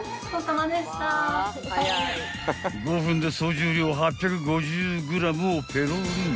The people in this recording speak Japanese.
［５分で総重量８５０ｇをペロリンチョと］